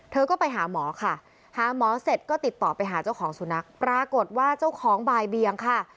เธอก็ไปหาหมอค่ะหาหมอเสร็จก็ติดต่อไปหาเจ้าของสุนัขปรากฏว่าเจ้าของบ่ายเบียงค่ะ